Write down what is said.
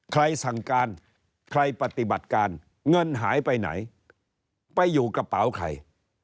ใครสั่งการใครปฏิบัติการเงินหายไปไหนไปอยู่กระเป๋าใคร